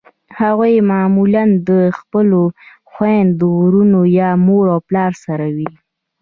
هغوی معمولأ د خپلو خویندو ورونو یا مور پلار سره وي.